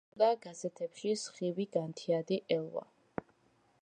თანამშრომლობდა გაზეთებში: „სხივი“, „განთიადი“, „ელვა“.